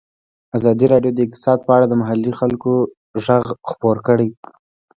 ازادي راډیو د اقتصاد په اړه د محلي خلکو غږ خپور کړی.